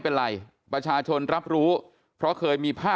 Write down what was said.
เพราะทนายอันนันชายชายเดชาบอกว่าจะเป็นการเอาคืนยังไง